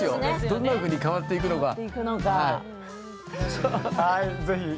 どんなふうに変わっていくのか。